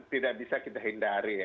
tidak bisa kita hindari